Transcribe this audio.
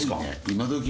今どき。